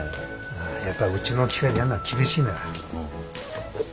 やっぱりうちの機械でやんのは厳しいねわ。